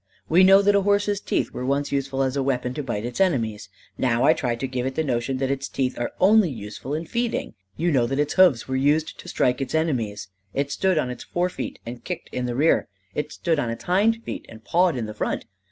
We know that a horse's teeth were once useful as a weapon to bite its enemies. Now I try to give it the notion that its teeth are only useful in feeding. You know that its hoofs were used to strike its enemies: it stood on its forefeet and kicked in the rear; it stood on its hind feet and pawed in front.